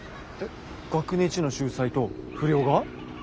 学年一の秀才と不良が？